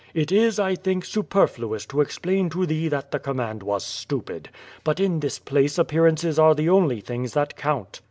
It is, I think, superfluous to explain to thee that the command was stupid. But in this place appearances are the only things that count.